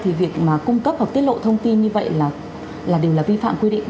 thì việc mà cung cấp hoặc tiết lộ thông tin như vậy là đừng là vi phạm quy định